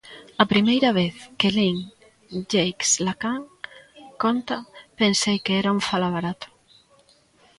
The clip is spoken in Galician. "A primeira vez que lin Jacques Lacan", conta, "pensei que era un falabarato".